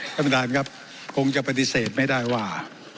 ท่านประธานครับคงจะปฏิเสธไม่ได้ว่า